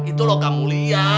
itu logam mulia